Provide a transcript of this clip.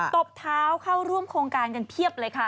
ตบเท้าเข้าร่วมโครงการกันเพียบเลยค่ะ